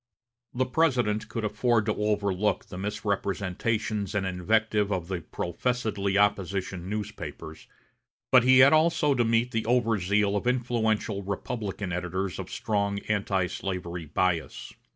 The President could afford to overlook the misrepresentations and invective of the professedly opposition newspapers, but he had also to meet the over zeal of influential Republican editors of strong antislavery bias.